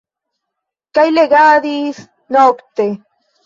Kaj legadis nokte.